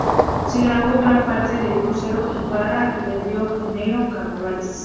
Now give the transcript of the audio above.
Se grabó gran parte en el Crucero Ibarra y en Río de Janeiro, carnavales.